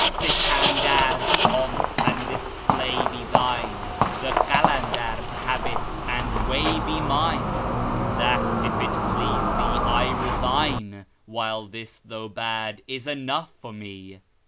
Sikandar's3 pomp and display be thine, the Qalandar's4 habit and way be mine; That, if it please thee, I resign, while this, though bad, is enough for me.